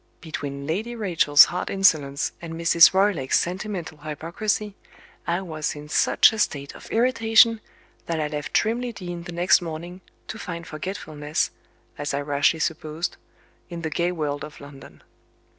Between Lady Rachel's hard insolence, and Mrs. Roylake's sentimental hypocrisy, I was in such a state of irritation that I left Trimley Deen the next morning, to find forgetfulness, as I rashly supposed, in the gay world of London.